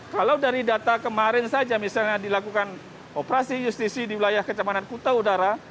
kalau dari data kemarin saja misalnya dilakukan operasi justisi di wilayah kecamatan kuta udara